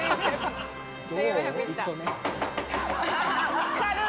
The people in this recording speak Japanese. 分かる！